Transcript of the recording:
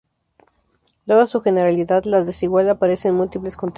Dada su generalidad, la desigualdad aparece en múltiples contextos.